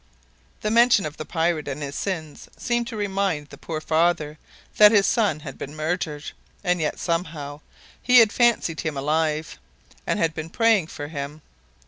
The mention of the pirate and his sins seemed to remind the poor father that his son had been murdered, and yet, somehow, he had fancied him alive, and had been praying for him!